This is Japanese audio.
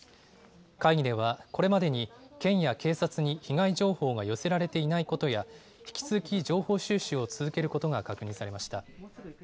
会議ではこれまでに県や警察に被害情報が寄せられていないことや、引き続き情報収集を続けることが確認されました。